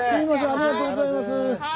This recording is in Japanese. ありがとうございます。